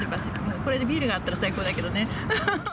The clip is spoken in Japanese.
これでビールがあったら最高だけどね。